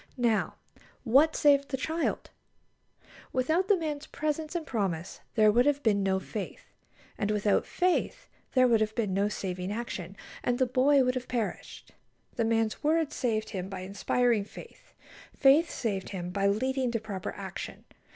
Now, what saved the child? Without the man's presence and promise there would have been no faith; and without faith there would have been no saving action, and the boy would have perished. The man's word saved him by inspiring faith. Faith saved him by leading to proper action.